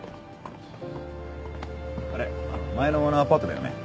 あれ前のあのアパートだよね。